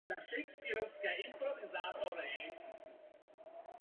Experiment tak byl neúspěšný.